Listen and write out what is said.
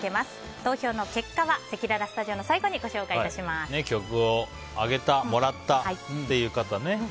投票の結果はせきららスタジオの最後に曲をあげたもらったという方ね。